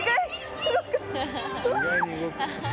うわ！